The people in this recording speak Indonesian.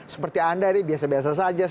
seperti anda nih biasa biasa saja